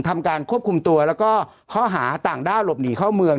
ทำการควบคุมตัวแล้วก็ข้อหาต่างด้าวหลบหนีเข้าเมือง